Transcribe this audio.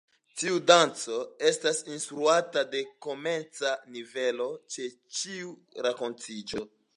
Ĉiu danco estas instruata de komenca nivelo ĉe ĉiu renkontiĝo.